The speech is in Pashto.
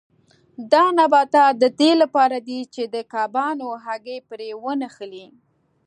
دا نباتات د دې لپاره دي چې د کبانو هګۍ پرې ونښلي.